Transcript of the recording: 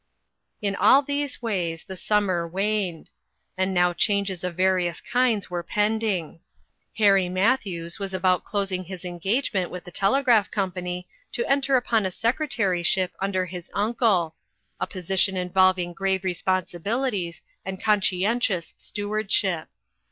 In all these ways the summer waned. And now changes of various kinds were pending. Harry Matthews was about clos ing his engagement with the telegraph com pany, to enter upon a secretaryship under his uncle a position involving grave respon sibilities and conscientious stewardship.